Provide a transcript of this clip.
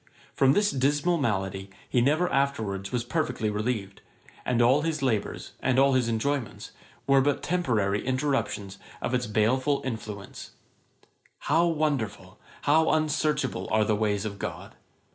From this dismal malady he never afterwards was perfectly relieved; and all his labours, and all his enjoyments, were but temporary interruptions of its baleful influence. How wonderful, how unsearchable are the ways of GOD!